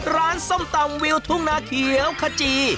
ส้มตำวิวทุ่งนาเขียวขจี